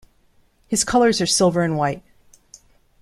His colors are silver and white.